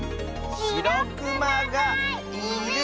しろくまがいる！